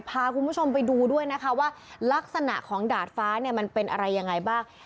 พาคุณผู้ชมไปดูด้วยนะคะว่าลักษณะของดาดฟ้าเนี่ยมันเป็นอะไรยังไงบ้าง